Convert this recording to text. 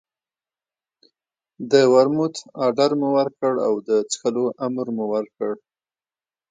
د ورموت اډر مو ورکړ او د څښلو امر مو وکړ.